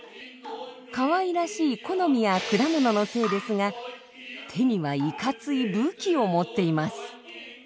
かわいらしい木の実や果物の精ですが手にはいかつい武器を持っています。